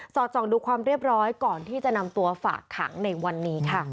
อดส่องดูความเรียบร้อยก่อนที่จะนำตัวฝากขังในวันนี้ค่ะ